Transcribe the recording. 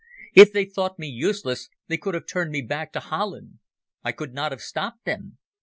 If they thought me useless they could have turned me back to Holland. I could not have stopped them.